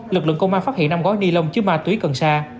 lực lượng công an phát hiện năm gói ni lông chứa ma túy cần sa